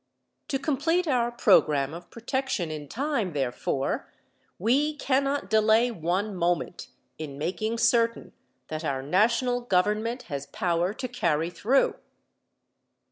To complete our program of protection in time, therefore, we cannot delay one moment in making certain that our national government has power to carry through.